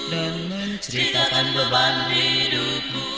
dan menceritakan beban hidupmu